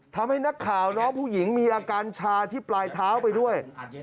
ทำให้นักข่าวน้องผู้หญิงมีอาการชาที่ปลายเท้าไปด้วย